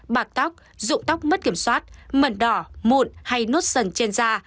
bạc tóc dụng tóc mất kiểm soát mẩn đỏ mụn hay nốt sần trên da